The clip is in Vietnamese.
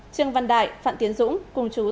trương văn đại phạm tiến dũng cùng chú tỉnh thái bình